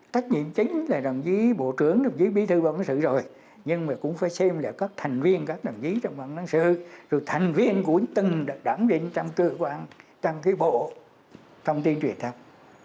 cách nhiệm chính là đồng chí bộ trưởng đồng chí bí thư bàn cán sự rồi nhưng mà cũng phải xem là các thành viên các đồng chí trong bàn cán sự rồi thành viên của từng đảng định trong cơ quan trong cái bộ thông tin truyền thông